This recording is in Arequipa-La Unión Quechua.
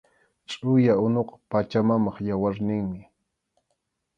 Chʼuya unuqa Pachamamap yawarninmi